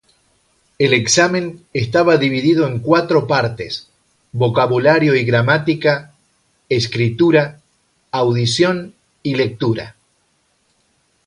El examen estaba dividido en cuatro partes: vocabulario y gramática, escritura, audición y lectura.